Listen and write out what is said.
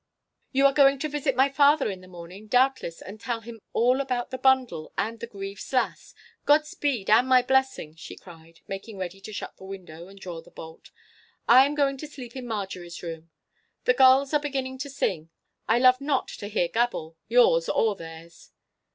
'You are going to visit my father in the morning, doubtless, and tell him all about the bundle and the Grieve's lass. Good speed and my blessing!' she cried, making ready to shut the window and draw the bolt. 'I am going to sleep in Marjorie's room. The gulls are beginning to sing. I love not to hear gabble—yours or theirs!